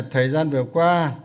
thời gian vừa qua